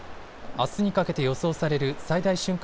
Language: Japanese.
あすにかけて予想される最大瞬間